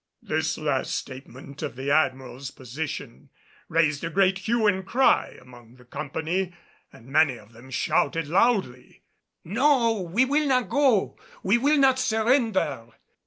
This last statement of the Admiral's position raised a great hue and cry among the company, and many of them shouted loudly. "No, we will not go! We will not surrender!"